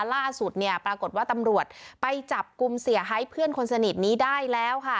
ล่าสุดเนี่ยปรากฏว่าตำรวจไปจับกลุ่มเสียไฮเพื่อนคนสนิทนี้ได้แล้วค่ะ